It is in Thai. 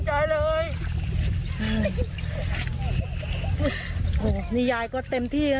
ใช่ยายก็เต็มที่แล้ว